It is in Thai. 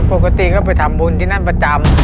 ปกติเขาไปทำบุญที่นั่นประจำ